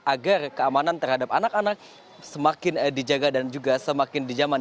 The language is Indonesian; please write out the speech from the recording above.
agar keamanan terhadap anak anak semakin dijaga dan juga semakin dijaman